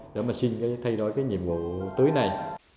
để mà xin thay đổi cái nhiệm vụ tới này